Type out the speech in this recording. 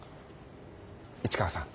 市川さん